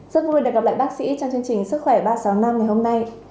rất vui được gặp lại bác sĩ trong chương trình sức khỏe ba trăm sáu mươi năm ngày hôm nay